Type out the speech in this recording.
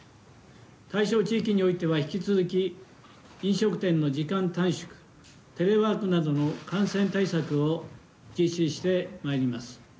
対象地域においては、引き続き飲食店の時間短縮、テレワークなどの感染対策を実施してまいります。